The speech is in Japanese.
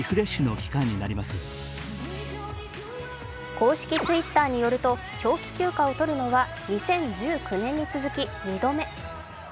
公式Ｔｗｉｔｔｅｒによると長期休暇をとるのは２０１９年に続き２度目。